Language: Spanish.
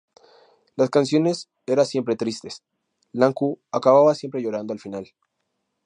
Las canciones era siempre tristes, Iancu acababa siempre llorando al final.